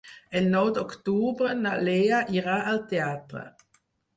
El nou d'octubre na Lea irà al teatre.